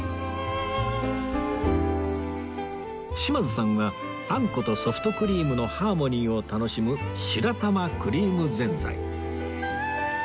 島津さんはあんことソフトクリームのハーモニーを楽しむ白玉クリームぜんざい